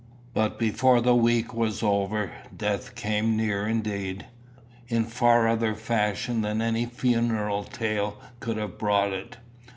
But before the week was over, death came near indeed in far other fashion than any funereal tale could have brought it.